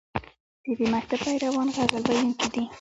د دې مکتب پیروان غزل ویونکي دي